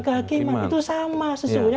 kehakiman itu sama sesungguhnya